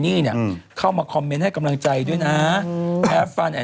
นี่ไงไม่แพ้เด็กจ้า